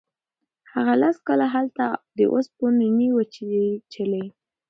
هغه لس کاله هلته د اوسپنو نینې وچیچلې.